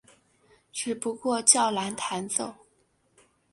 只不过较难弹奏。